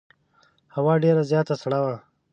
هوا ډېره زیاته سړه وه.